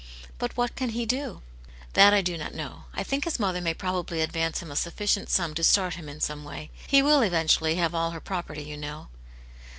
" But what can he do ?" "That I do not know. I think his mother may probably advance him a sufficient sum to start him in some way. He will, eventually, have all her pro perty, you know."